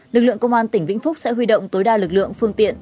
lực lượng công an tỉnh vĩnh phúc sẽ huy động tối đa lực lượng phương tiện